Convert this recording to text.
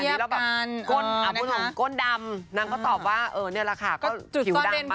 เปรียบเทียบกันนะคะพูดถึงก้นดำนางก็ตอบว่าเนี่ยแหละค่ะก็ผิวดำบ้างค่ะ